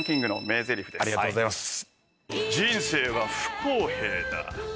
ありがとうございます。